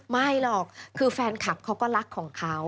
ไม่หรอกคือแฟนคลับเขาก็รักของเขา